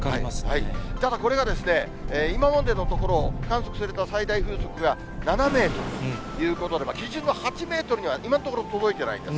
ただ、これが今までのところ、観測された最大風速が７メートルということで、基準の８メートルには今のところ届いていないんです。